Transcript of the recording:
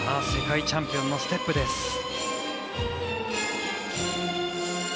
世界チャンピオンのステップです。